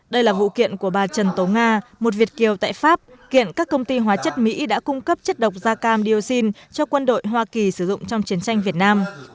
đây là vụ kiện của bà trần tố nga một việt kiều tại pháp kiện các công ty hóa chất mỹ đã cung cấp chất độc da cam dioxin cho quân đội hoa kỳ sử dụng trong chiến tranh việt nam